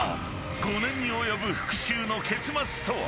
５年に及ぶ復讐の結末とは。